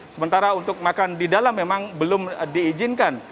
sementara untuk makan di dalam memang belum diizinkan